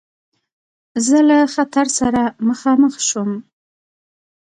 زه له خطر سره مخامخ شوم.